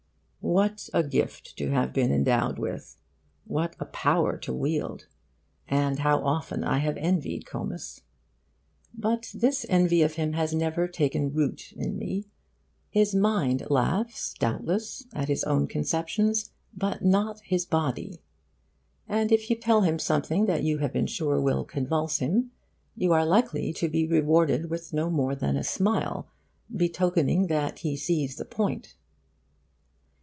What a gift to have been endowed with! What a power to wield! And how often I have envied Comus! But this envy of him has never taken root in me. His mind laughs, doubtless, at his own conceptions; but not his body. And if you tell him something that you have been sure will convulse him you are likely to be rewarded with no more than a smile betokening that he sees the point.